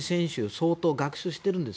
相当学習しているんです